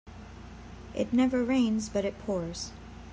It never rains but it pours.